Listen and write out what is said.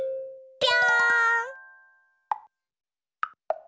ぴょん！